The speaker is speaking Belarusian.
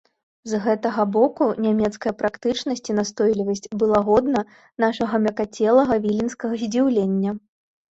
З гэтага боку нямецкая практычнасць і настойлівасць была годна нашага мяккацелага віленскага здзіўлення.